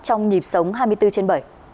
trong nhịp sống hai mươi bốn trên bảy